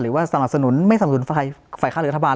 หรือว่าสาดสนุนไม่สนุนฝ่ายค้ารัฐบาล